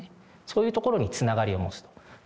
そういうところにつながりを持つ。